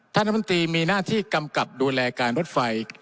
ท่านรัฐมนตรีมีหน้าที่กำกับดูแลการรถไฟ